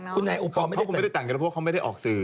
เขาก็ไม่ได้แต่งหน้าว่าเค้าไม่ได้ออกสื่อ